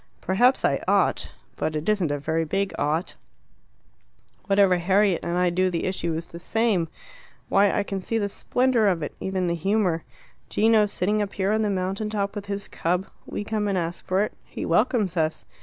"Perhaps I ought. But it isn't a very big 'ought.' Whatever Harriet and I do the issue is the same. Why, I can see the splendour of it even the humour. Gino sitting up here on the mountain top with his cub. We come and ask for it. He welcomes us.